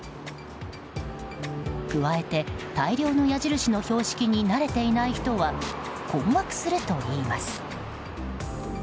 加えて大量の矢印の標識に慣れていない人は困惑するといいます。